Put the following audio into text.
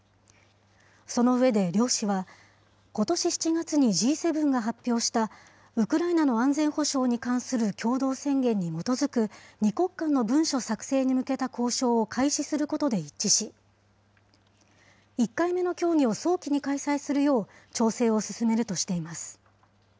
その上で、両氏はことし７月にＧ７が発表したウクライナの安全保障に関する共同宣言に基づく２国間の文書作成に向けた交渉を開始することで一致し、１回目の協議を早期に開催するよう調整を進めるとしています。